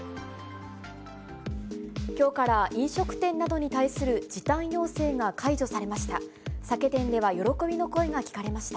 きょうから飲食店などに対する時短要請が解除されました。